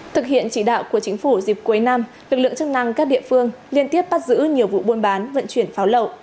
thực hiện chỉ đạo của chính phủ dịp cuối năm lực lượng chức năng các địa phương liên tiếp bắt giữ nhiều vụ buôn bán vận chuyển pháo lậu